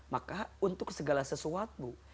maka untuk segala sesuatu